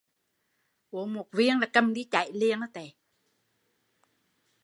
Uống một viên là cầm đi chảy liền